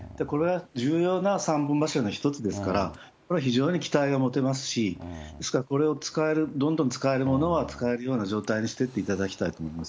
これは重要な３本柱の一つですから、これは非常に期待が持てますし、ですからこれを使える、どんどん使えるものは使えるような状態にしていっていただきたい